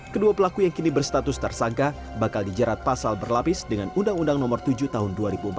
kedua pelaku yang kini berstatus tersangka bakal dijerat pasal berlapis dengan undang undang nomor tujuh tahun dua ribu empat belas